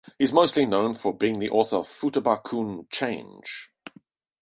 He is mostly known for being the author of Futaba-Kun Change!